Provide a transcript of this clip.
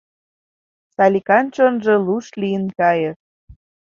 — Саликан чонжо луш лийын кайыш.